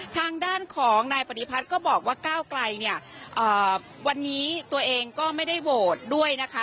ทางด้านของนายปฏิพัฒน์ก็บอกว่าก้าวไกลเนี่ยวันนี้ตัวเองก็ไม่ได้โหวตด้วยนะคะ